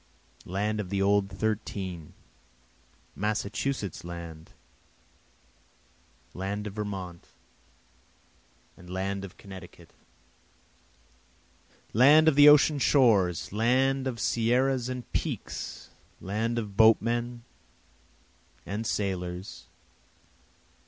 Land of the Old Thirteen! Massachusetts land! land of Vermont and Connecticut! Land of the ocean shores! land of sierras and peaks! Land of boatmen and sailors!